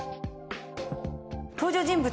登場人物